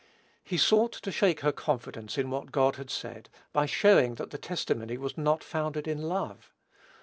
He sought to shake her confidence in what God had said by showing that the testimony was not founded in love.